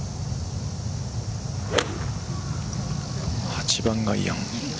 ８番アイアン。